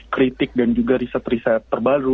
kritik dan juga riset riset terbaru